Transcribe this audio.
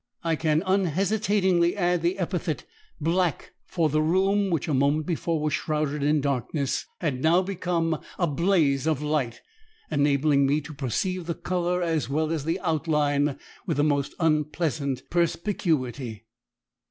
I can unhesitatingly add the epithet Black for the room, which a moment before was shrouded in darkness, had now become a blaze of light, enabling me to perceive the colour as well as the outline with the most unpleasant perspicuity.